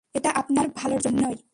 এটা আপনার ভালোর জন্যেই।